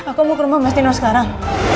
aku mau ke rumah mas dino sekarang